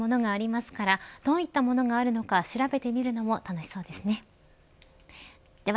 いろいろな種類のものがありますからどういったものがあるのか調べてみるのも楽しそうですね。